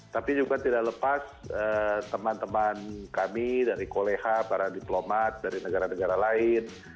tapi juga tidak lepas teman teman kami dari koleha para diplomat dari negara negara lain